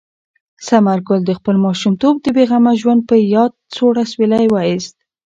ثمر ګل د خپل ماشومتوب د بې غمه ژوند په یاد سوړ اسویلی وایست.